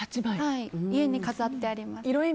家に飾ってあります。